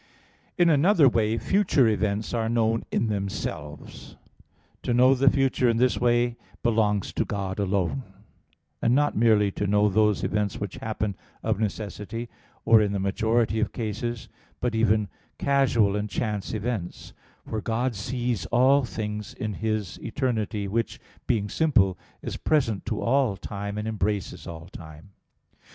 In another way future events are known in themselves. To know the future in this way belongs to God alone; and not merely to know those events which happen of necessity, or in the majority of cases, but even casual and chance events; for God sees all things in His eternity, which, being simple, is present to all time, and embraces all time.